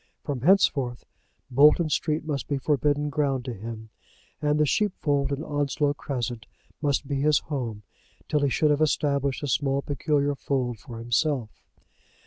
From henceforth Bolton Street must be forbidden ground to him, and the sheepfold in Onslow Crescent must be his home till he should have established a small peculiar fold for himself.